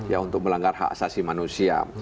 ya untuk melanggar hak asasi manusia